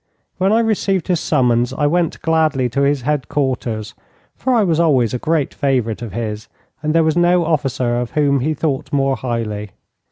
When I received his summons I went gladly to his headquarters, for I was always a great favourite of his, and there was no officer of whom he thought more highly.